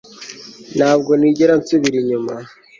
Ntabwo nigera nsubira inyuma